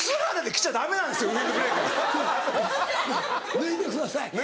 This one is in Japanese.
「脱いでください」。